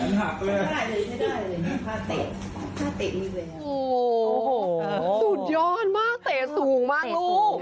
สุดยอดมากเตะสูงมากลูก